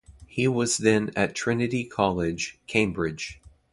He was then at Trinity College, Cambridge.